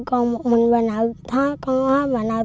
con một mình bà nội